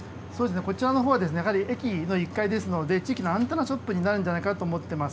こちらのほうはやはり駅の１階ですので地域のアンテナショップになるんじゃないかと思っています。